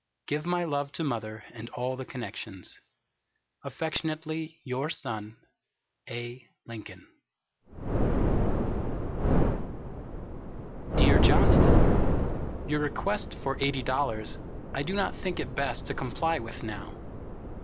Give my love to Mother, and all the connections. Affectionately your son, A. LINCOLN. [Written on same page with above.] Dear Johnston: Your request for eighty dollars, I do not think it best to comply with now.